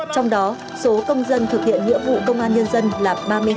trong đó số công dân thực hiện nghĩa vụ công an nhân dân là ba mươi hai